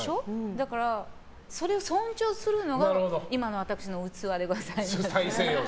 だから、それを尊重するのが今の私の器でございます。